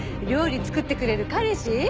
料理作ってくれる彼氏？